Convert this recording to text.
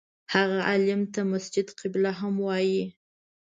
هغه عالم ته مسجد قبله هم وایي.